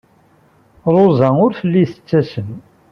Ṛuza ur telli tettasem.